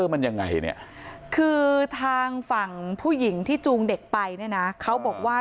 มันยังไงเนี่ยคือทางฝั่งผู้หญิงที่จูงเด็กไปเนี่ยนะเขาบอกว่า